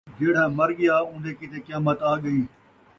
جیڑھا مر ڳیا، اون٘دے کیتے قیامت آڳئی